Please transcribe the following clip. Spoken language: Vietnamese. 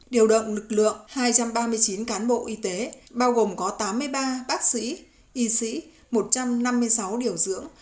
điều động lực lượng hai trăm ba mươi chín cán bộ y tế bao gồm có tám mươi ba bác sĩ y sĩ một trăm năm mươi sáu điều dưỡng